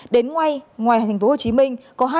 đến ngoài thành phố hồ chí minh